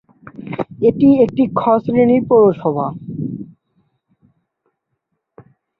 এটি একটি 'খ' শ্রেণীর পৌরসভা।